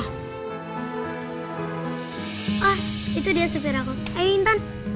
hah itu dia sopir aku ayo intan